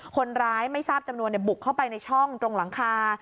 คนร้ายไม่ทราบจำนวนบุกเข้าไปในช่องตรงหลังคา